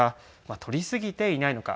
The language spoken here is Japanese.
取り過ぎていないのか。